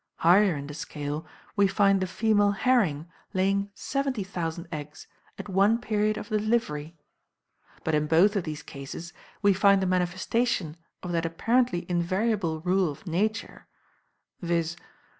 Higher in the scale, we find the female herring laying 70,000 eggs at one period of delivery. But in both of these cases we find the manifestation of that apparently invariable rule of Nature, viz.